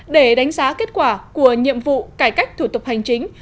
để đánh giá kết quả của nhiệm vụ cải cách thủ tục hành chính